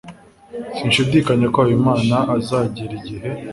sinshidikanya ko habimana azagera igihe